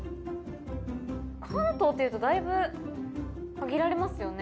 関東っていうとだいぶ限られますよね。